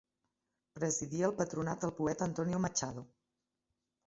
Presidia el patronat el poeta Antonio Machado.